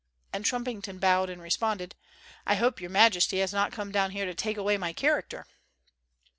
And Trumpington bowed and responded, "I hope Your Majesty has not come down here to take away my char acter."